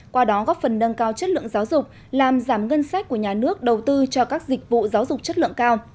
qua đó góp phần nâng cao chất lượng giáo dục làm giảm ngân sách của nhà nước đầu tư cho các dịch vụ giáo dục chất lượng cao